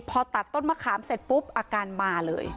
พอตัดต้นมะขามเสร็จปุ๊บอาการมาเลย